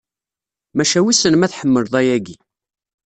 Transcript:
Maca wisen ma tḥemmleḍ ayagi?